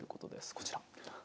こちら。